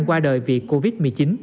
qua đời vì covid một mươi chín